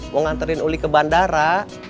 mau nganterin uli ke bandara